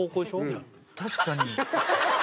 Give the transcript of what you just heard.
いや確かに。